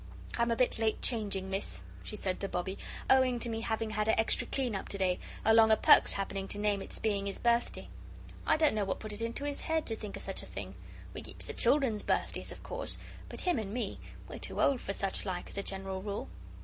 "I'm a bit late changing, Miss," she said to Bobbie, "owing to me having had a extry clean up to day, along o' Perks happening to name its being his birthday. I don't know what put it into his head to think of such a thing. We keeps the children's birthdays, of course; but him and me we're too old for such like, as a general rule."